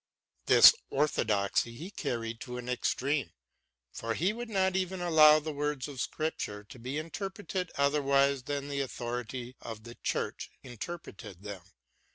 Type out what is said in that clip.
This orthodoxy he carried to an extreme, for he would not even allow the words of Scripture to be interpreted otherwise than the authority of the Church interpreted them.